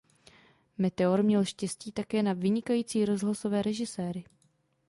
Meteor měl štěstí také na vynikající rozhlasové režiséry.